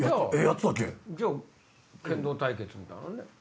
じゃあ剣道対決みたいなんね。